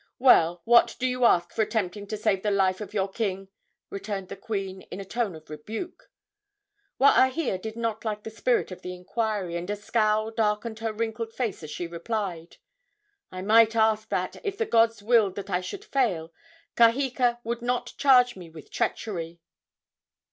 "Well, what do you ask for attempting to save the life of your king?" returned the queen, in a tone of rebuke. Waahia did not like the spirit of the inquiry, and a scowl darkened her wrinkled face as she replied: "I might ask that, if the gods willed that I should fail, Kaheka would not charge me with treachery!"